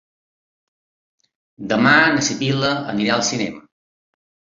Demà na Sibil·la irà al cinema.